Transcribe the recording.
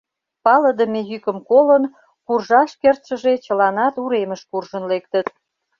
Палыдыме йӱкым колын, куржаш кертшыже чыланат уремыш куржын лектыт.